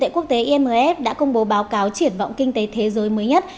imf đã công bố báo cáo triển vọng kinh tế thế giới mới nhất